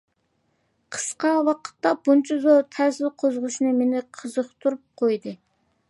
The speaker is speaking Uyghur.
قىسقا ۋاقىتتا بۇنچە زور تەسىر قوزغىشى مېنى قىزىقتۇرۇپ قويدى.